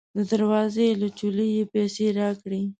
د دروازې له چولې یې پیسې راکړې.